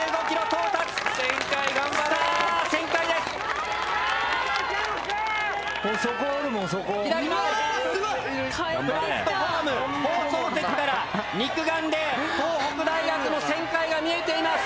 放送席から肉眼で東北大学の旋回が見えています。